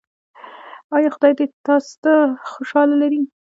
ایا خدای دې تاسو خوشحاله لري؟